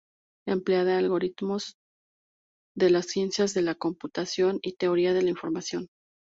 Emplea algoritmos de las ciencias de la computación y teoría de la información.